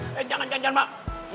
eh eh jangan jangan mbak